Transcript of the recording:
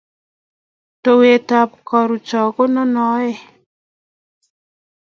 Towet ab karuchan ko nono any